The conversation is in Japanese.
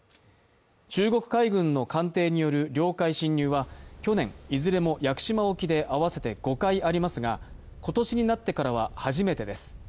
中国海軍の艦艇による領海侵入は去年、いずれも屋久島沖で合わせて５回ありますが、今年になってからは初めてです。